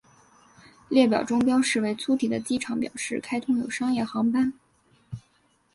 列表中标示为粗体的机场表示开通有商业航班。